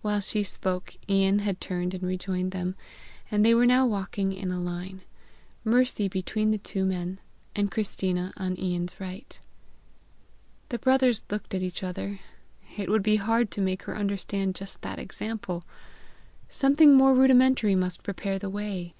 While she spoke, Ian had turned and rejoined them, and they were now walking in a line, Mercy between the two men, and Christina on Ian's right. The brothers looked at each other: it would be hard to make her understand just that example! Something more rudimentary must prepare the way!